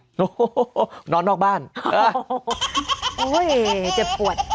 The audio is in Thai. โอ้โหนอนนอกบ้านอุ้ยเจ็บปวด